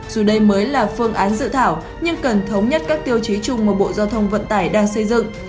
dù đây mới là phương án dự thảo nhưng cần thống nhất các tiêu chí chung mà bộ giao thông vận tải đang xây dựng